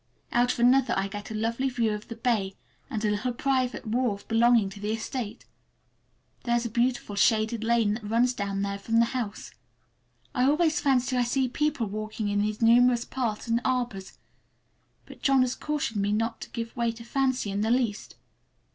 Out of another I get a lovely view of the bay and a little private wharf belonging to the estate. There is a beautiful shaded lane that runs down there from the house. I always fancy I see people walking in these numerous paths and arbors, but John has cautioned me not to give way to fancy in the least.